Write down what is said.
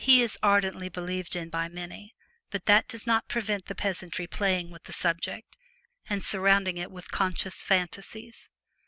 He is ardently believed in by many, but that does not prevent the peasantry playing with the subject, and surrounding it with conscious fantasies.